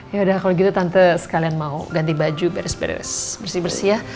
yaudah kalo gitu tante sekalian mau ganti baju beres beres bersih bersih ya